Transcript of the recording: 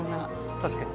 確かに。